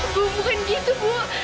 bu bukan gitu bu